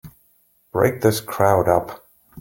Break this crowd up!